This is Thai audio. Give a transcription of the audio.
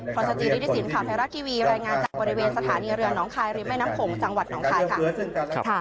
พรสจิริฐศิลปข่าวไทยรัฐทีวีรายงานจากบริเวณสถานีเรือน้องคายริมแม่น้ำโขงจังหวัดหนองคายค่ะ